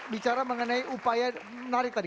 bicara mengenai upaya menarik tadi